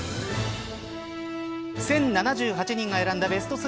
１０７８人が選んだベスト３。